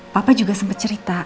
papa juga sempet cerita